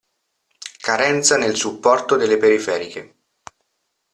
Carenza nel supporto delle periferiche.